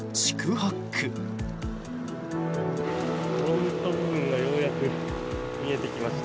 フロント部分がようやく見えてきました。